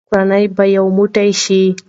کورنۍ به یو موټی شي.